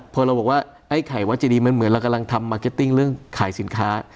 พอเราบอกว่าไอ้ไข่วัจเจดีมันเหมือนเรากำลังทำมาร์เก็ตติ้งเรื่องขายสินค้า